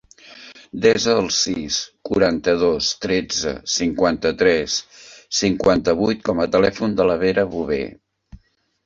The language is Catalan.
Desa el sis, quaranta-dos, tretze, cinquanta-tres, cinquanta-vuit com a telèfon de la Vera Bover.